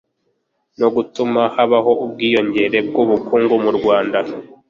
no gutuma habaho ubwiyongere bw'ubukungu mu rwanda